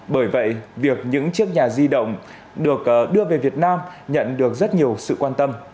bởi vậy việc những chiếc nhà di động được đưa về việt nam nhận được rất nhiều sự quan tâm